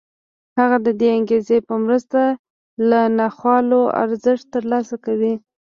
هغه د دې انګېزې په مرسته له ناخوالو ارزښت ترلاسه کوي